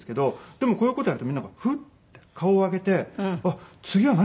でもこういう事やるとみんながフッて顔を上げてあっ次は何やるの？って。